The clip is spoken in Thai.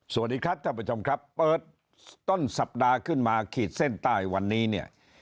สวัสดีครับท่านผู้ชมครับเปิดต้นสัปดาห์ขึ้นมาขีดเส้นใต้วันนี้เนี่ย